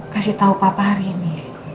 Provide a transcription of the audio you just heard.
kasih tahu papa hari ini